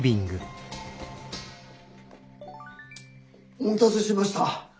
お待たせしました。